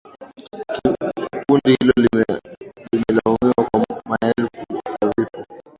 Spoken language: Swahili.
Kundi hilo limelaumiwa kwa maelfu ya vifo